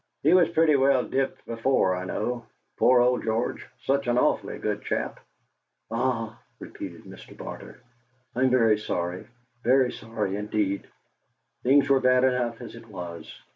"He was pretty well dipped before, I know. Poor old George! such an awfully good chap!" "Ah," repeated Mr. Barter, "I'm very sorry very sorry indeed. Things were bad enough as it was."